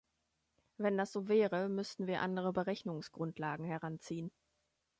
Wenn das so wäre, müssten wir andere Berechnungsgrundlagen heranziehen.